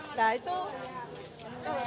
nah itu keluar api